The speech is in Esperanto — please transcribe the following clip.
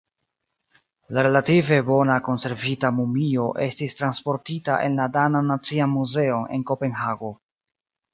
La relative bone konservita mumio estis transportita en la danan nacian muzeon en Kopenhago.